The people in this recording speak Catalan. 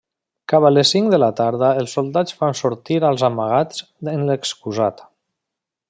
Cap a les cinc de la tarda els soldats fan sortir als amagats en l'excusat.